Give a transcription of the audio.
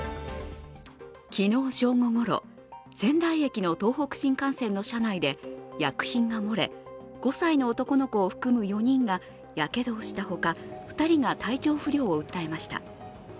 昨日正午ごろ、仙台駅の東北新幹線の車内で薬品が漏れ、５歳の男の子を含む４人がやけどをしたほか、２人が体調不良を訴えました。